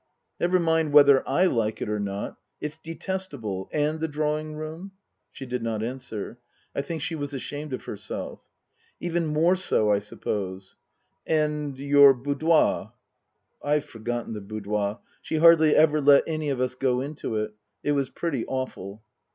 " Never mind whether I like it or not. It's detestable. And the drawing room ?" She did not answer. I think she was ashamed of herself. " Even more so, I suppose. And your boudoir ?" (I've forgotten the boudoir. She hardly ever let any of us go into it. It was pretty awful.)